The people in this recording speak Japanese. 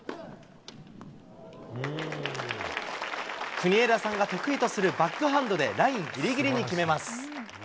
国枝さんが得意とするバックハンドで、ラインぎりぎりに決めます。